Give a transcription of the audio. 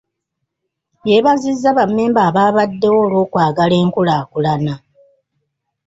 Yeebazizza bammemba abaabaddewo olw'okwagala enkulaakulana.